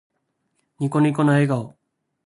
ニコニコな笑顔。